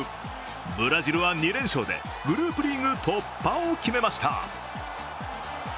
ブラジルは２連勝でグループリーグ突破を決めました。